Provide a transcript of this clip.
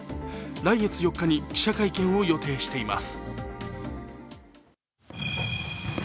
来月４日に記者会見を予定しています。